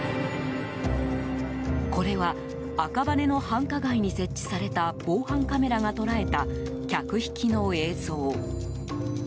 これは赤羽の繁華街に設置された防犯カメラが捉えた客引きの映像。